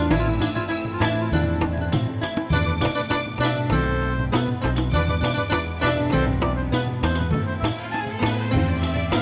sekarang gimana kalau yang ini